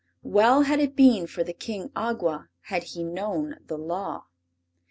Well had it been for the King Awgwa had he known the Law!